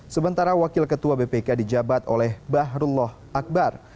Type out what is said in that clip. sementara wakil ketua bpk dijabat oleh bahrullah akbar